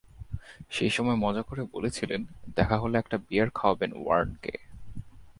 সেই সময় মজা করে বলেছিলেন, দেখা হলে একটা বিয়ার খাওয়াবেন ওয়ার্নকে।